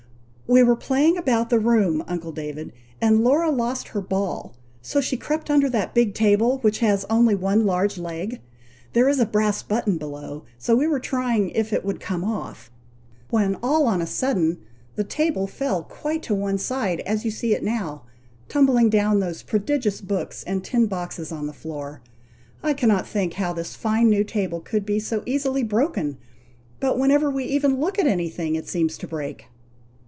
"We were playing about the room, uncle David, and Laura lost her ball, so she crept under that big table which has only one large leg. There is a brass button below, so we were trying if it would come off, when all on a sudden, the table fell quite to one side, as you see it now, tumbling down those prodigious books and tin boxes on the floor! I cannot think how this fine new table could be so easily broken; but whenever we even look at anything, it seems to break!"